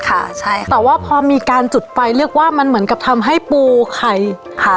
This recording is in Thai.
ค่ะใช่ค่ะแต่ว่าพอมีการจุดไฟเรียกว่ามันเหมือนกับทำให้ปูไข่ค่ะ